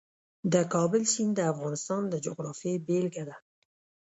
د کابل سیند د افغانستان د جغرافیې بېلګه ده.